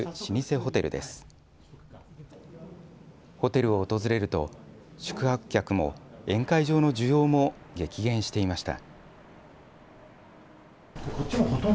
ホテルを訪れると、宿泊客も宴会場の需要も激減していました。